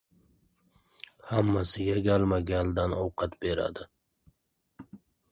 Hamma- siga galma-galdan ovqat beradi.